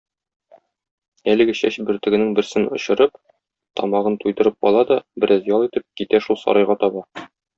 Әлеге чәч бөртегенең берсен очырып, тамагын туйдырып ала да, бераз ял итеп, китә шул сарайга таба.